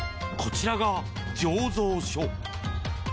こちらが醸造所。